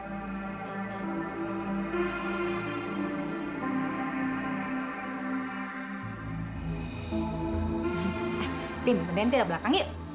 ipin nanti kita ke belakang yuk